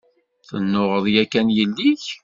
Tennuɣeḍ yakan yelli-k?